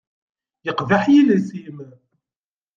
Yeqbeḥ yiles-im.